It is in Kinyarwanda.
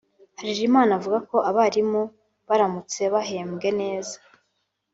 Harerimana avuga ko abarimu baramutse bahembwe neza